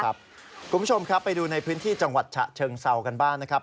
คุณผู้ชมครับไปดูในพื้นที่จังหวัดฉะเชิงเซากันบ้างนะครับ